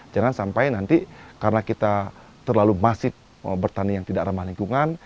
jangan sampai nanti karena kita terlalu masif bertani yang tidak ramah lingkungan